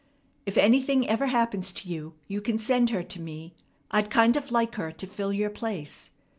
If anything ever happens to you, you can send her to me. I'd kind of like her to fill your place.